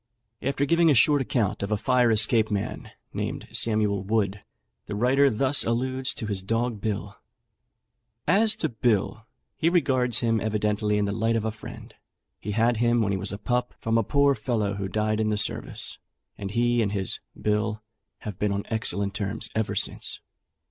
After giving a short account of a fire escape man, named Samuel Wood, the writer thus alludes to his dog Bill: "As to Bill, he regards him evidently in the light of a friend; he had him when he was a pup from a poor fellow who died in the service, and he and his 'Bill' have been on excellent terms ever since.